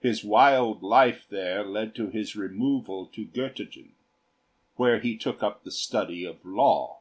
His wild life there led to his removal to Göttingen, where he took up the study of law.